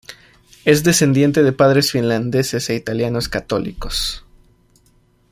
Es descendiente de padres finlandeses e italianos Católicos.